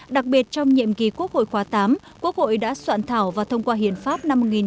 đặc biệt trong nhiệm kỳ quốc hội khóa tám quốc hội đã soạn thảo và thông qua hiện pháp